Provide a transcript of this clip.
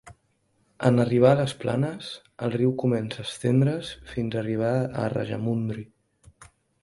En arribar a les planes, el riu comença a estendre's fins a arribar a Rajamundry.